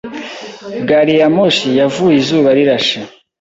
Gariyamoshi yavuye izuba rirashe.